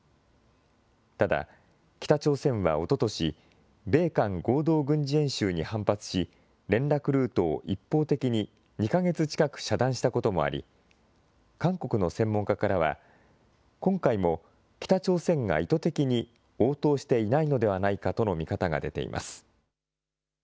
ただ、北朝鮮はおととし、米韓合同軍事演習に反発し、連絡ルートを一方的に２か月近く遮断したこともあり、韓国の専門家からは、今回も北朝鮮が意図的に応答していないのではないかとの見方が出